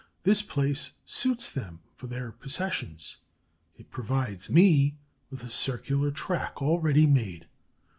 This place suits them for their processions. It provides me with a circular track all ready made.